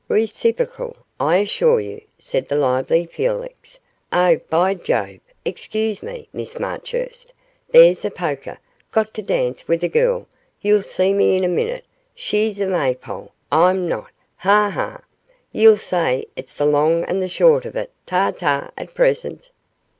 'Reciprocal, I assure you,' said the lively Felix. 'Oh, by Jove! excuse me, Miss Marchurst there's a polka got to dance with a girl you'll see me in a minute she's a maypole I'm not, ha! ha! You'll say it's the long and the short of it ta ta at present.